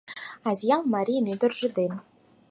Азъял марийын ӱдыржӧ ден